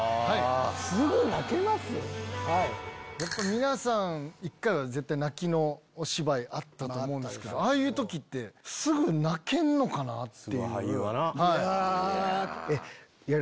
皆さん一回は絶対泣きのお芝居あったと思うんですけどああいう時ってすぐ泣けんのかな？っていう。